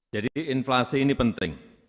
jadi inflasi ini penting